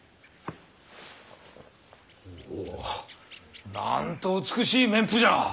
おおっなんと美しい綿布じゃ。